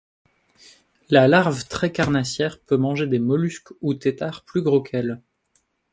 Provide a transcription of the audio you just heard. La larve très carnassière peut manger des mollusques ou têtards plus gros qu'elle.